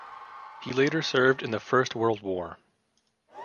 He later served in the First World War.